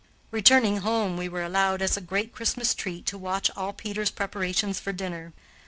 Returning home, we were allowed, as a great Christmas treat, to watch all Peter's preparations for dinner.